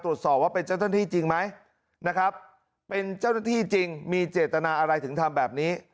ตรวจสอบว่าเป็นเจ้าหน้าที่จริงไหมนะครับเป็นเจ้าหน้าที่จริงมีเจตนาอะไรถึงทำแบบนี้